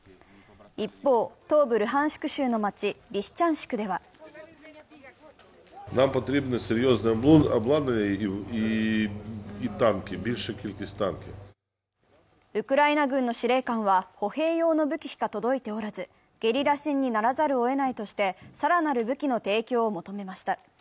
一方、東部ルハンシク州の街、リシチャンシクではウクライナ軍の司令官は歩兵用の武器しか届いておらずゲリラ戦にならざるをえないとして、更なる武器の提供を求めました。